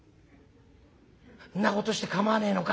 「んなことして構わねえのか？」。